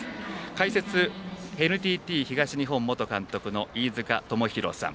解説、ＮＴＴ東日本元監督の飯塚智広さん。